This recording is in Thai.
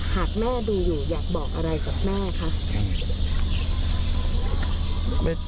หากแม่ดูอยู่อยากบอกอะไรกับแม่คะ